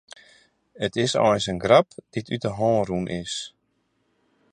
It is eins in grap dy't út de hân rûn is.